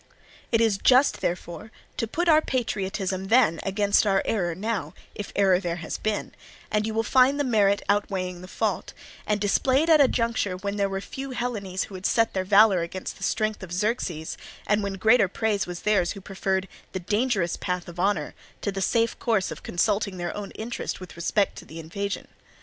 It is just, therefore, to put our patriotism then against our error now, if error there has been; and you will find the merit outweighing the fault, and displayed at a juncture when there were few Hellenes who would set their valour against the strength of Xerxes, and when greater praise was theirs who preferred the dangerous path of honour to the safe course of consulting their own interest with respect to the invasion.